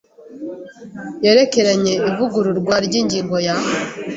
yerekeranye ivugururwa ry ingingo ya